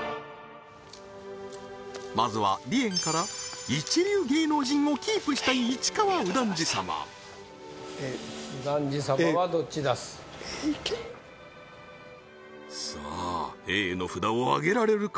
まずは梨園から一流芸能人をキープしたい市川右團次様さあＡの札を上げられるか？